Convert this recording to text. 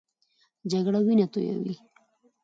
جګړه وینه تویوي